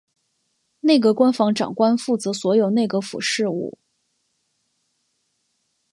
内阁官房长官负责所有内阁府事务。